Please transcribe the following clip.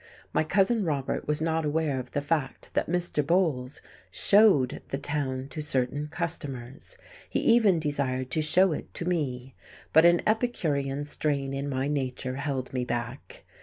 My Cousin Robert was not aware of the fact that Mr. Bowles "showed" the town to certain customers. He even desired to show it to me, but an epicurean strain in my nature held me back.